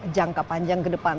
jangka panjang ke depan